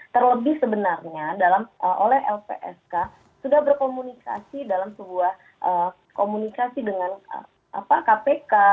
terlebih sebenarnya oleh lpsk sudah berkomunikasi dalam sebuah komunikasi dengan kpk